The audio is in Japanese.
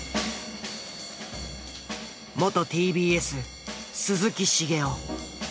元ＴＢＳ鈴木茂夫。